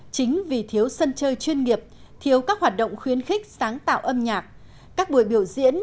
chính vì thiếu sân chơi chuyên nghiệp thiếu các hoạt động khuyến khích sáng tạo âm nhạc các buổi biểu diễn